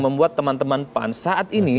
membuat teman teman pan saat ini